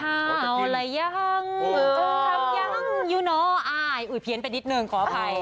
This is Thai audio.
ข้าวอะไรยังทำยังอ่าอุ๊ยเพียนไปนิดหนึ่งขออภัย